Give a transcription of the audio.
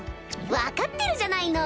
分かってるじゃないの！